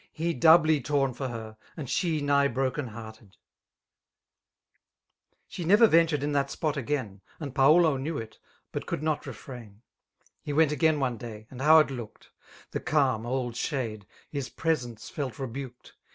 He doubly torn for her, and she nigh broken hetfif $d; She never ventured in that spot again; And Paulo knew it, but could not refrain; He went again one day j and how it looked ! The calm^ old shade !— his presence felt rebuked.